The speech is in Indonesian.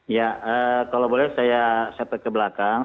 ya kalau boleh saya setware ke belakang